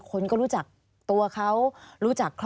อันดับ๖๓๕จัดใช้วิจิตร